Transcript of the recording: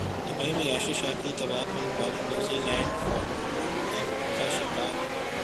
Dubai میں یاسر شاہ کی تباہ کن bowling New Zealand follow on کا شکار